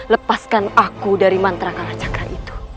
lepaskan aku dari mantra kalacakra itu